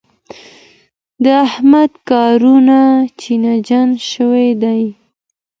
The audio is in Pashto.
د احمد کارونه چينجن شوي دي.